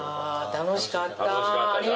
楽しかったです。